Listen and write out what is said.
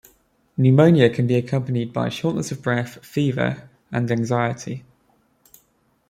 Pneumonia can be accompanied by shortness of breath, fever, and anxiety.